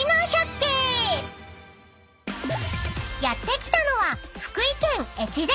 ［やって来たのは］